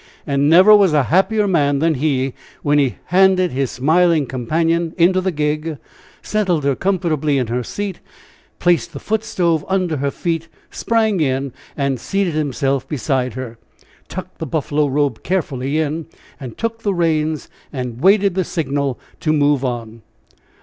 And never was a happier man than he when he handed his smiling companion into the gig, settled her comfortably in her seat, placed the foot stove under her feet, sprang in and seated himself beside her, tucked the buffalo robe carefully in, and took the reins, and waited the signal to move on.